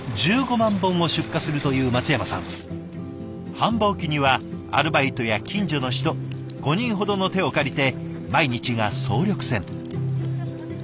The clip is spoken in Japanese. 繁忙期にはアルバイトや近所の人５人ほどの手を借りて毎日が総力戦。